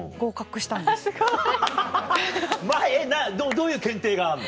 どういう検定があんの？